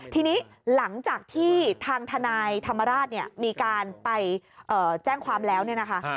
ทีนี้หลังจากที่ทางทนายธรรมราชเนี่ยมีการไปแจ้งความแล้วเนี่ยนะคะ